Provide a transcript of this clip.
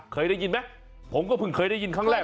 เคยได้ยินไหมผมก็เพิ่งเคยได้ยินครั้งแรก